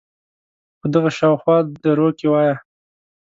په دغه شااو خوا دروکې وایه